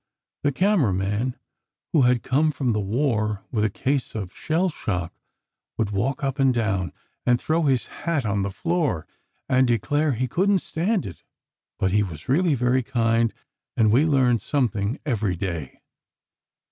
The camera man, who had come from the war with a case of shell shock, would walk up and down and throw his hat on the floor, and declare he couldn't stand it. But he was really very kind, and we learned something every day.